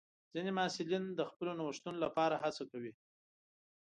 ځینې محصلین د خپلو نوښتونو لپاره هڅه کوي.